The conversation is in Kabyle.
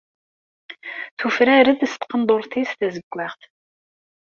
Tufrar-d s tqendurt-is tazeggaɣt.